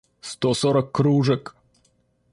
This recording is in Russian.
сто сорок кружек